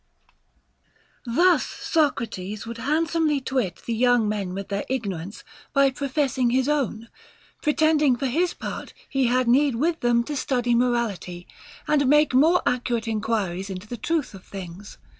t Thus Socrates would handsomely twit the young men with their ignorance by professing his own, pretending for his part he had need with them to study morality and make more accurate enquiries into the truth of things.